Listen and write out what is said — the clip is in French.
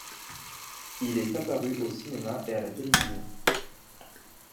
Il est apparu au cinéma et à la télévision.